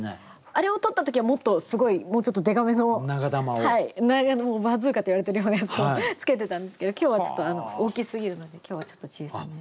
あれを撮った時はもっとすごいもうちょっとでかめのバズーカって言われてるようなやつを付けてたんですけど今日はちょっと大きすぎるので今日はちょっと小さめに。